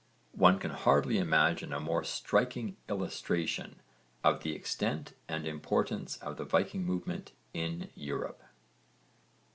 One can hardly imagine a more striking illustration of the extent and importance of the Viking movement in Europe.